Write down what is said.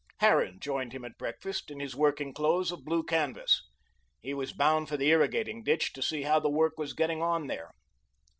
Harran joined him at breakfast, in his working clothes of blue canvas. He was bound for the irrigating ditch to see how the work was getting on there.